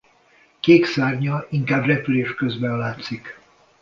Kék szárnya inkább repülés közben látszik.